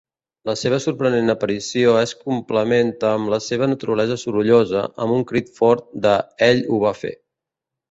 La seva sorprenent aparició es complementa amb la seva naturalesa sorollosa, amb un crit fort de "ell ho va fer".